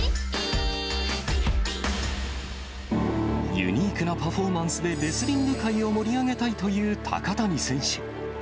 ユニークなパフォーマンスでレスリング界を盛り上げたいという高谷選手。